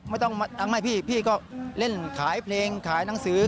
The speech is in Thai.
ไม่ต้องทำให้พี่พี่ก็เล่นขายเพลงขายหนังสือ